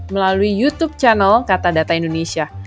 melalui youtube channel katadata indonesia